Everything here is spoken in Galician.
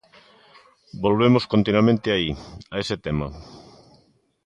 Volvemos continuamente aí, a ese tema.